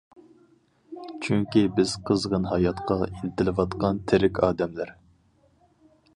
چۈنكى بىز قىزغىن ھاياتقا ئىنتىلىۋاتقان تىرىك ئادەملەر!